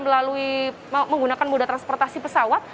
melalui menggunakan moda transportasi pesawat